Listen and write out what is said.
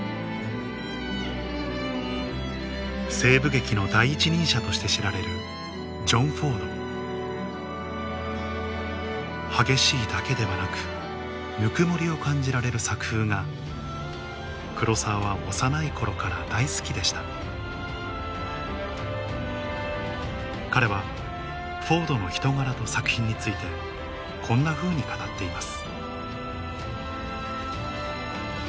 西部劇の第一人者として知られるジョン・フォード激しいだけではなくぬくもりを感じられる作風が黒澤は幼い頃から大好きでした彼はフォードの人柄と作品についてこんなふうに語っています